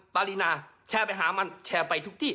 ปารีนาแชร์ไปหามันแชร์ไปทุกที่